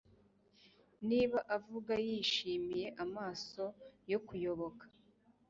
Niba avuga yishimiye amaso yo kuyoboka